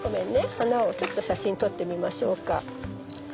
花をちょっと写真撮ってみましょうか。